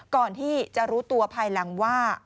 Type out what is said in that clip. ก่อนที่จะรู้ตัวภายหลังว่า